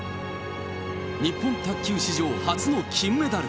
日本卓球史上初の金メダル。